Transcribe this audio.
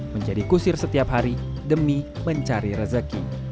menjadi kusir setiap hari demi mencari rezeki